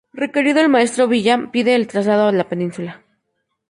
Requerido por el maestro Villa, pide el traslado a la península.